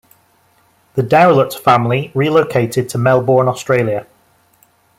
The Dowlut family relocated to Melbourne, Australia.